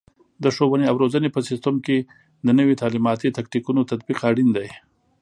د ښوونې او روزنې په سیستم کې د نوي تعلیماتي تکتیکونو تطبیق اړین دی.